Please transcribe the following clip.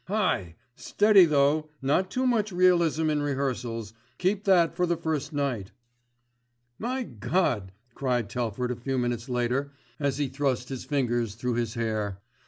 "Hi! steady though, not too much realism in rehearsals, keep that for the first night." "My God!" cried Telford a few minutes later as he thrust his fingers through his hair.